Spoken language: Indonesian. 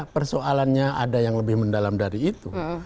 persoalannya ada yang lebih mendalam dari itu